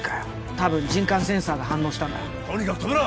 多分人感センサーが反応したんだとにかく止めろ！